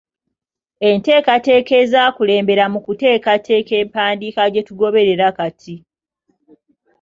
Enteekateeka ezaakulembera mu kuteekateeka empandiika gye tugoberera kati.